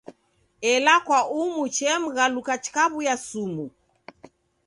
Ela kwa umu chemghaluka chikaw'uya sumu.